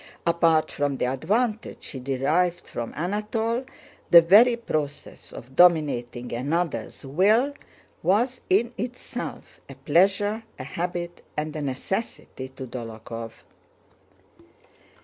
Apart from the advantage he derived from Anatole, the very process of dominating another's will was in itself a pleasure, a habit, and a necessity to Dólokhov.